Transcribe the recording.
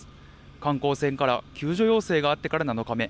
観光船から救助要請があってから７日目。